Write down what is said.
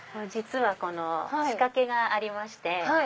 実は仕掛けがありまして。